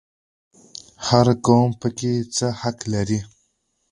هر قوم پکې څه حق لري؟